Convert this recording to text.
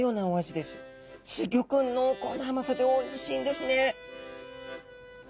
濃厚な甘さでおいしいんですね。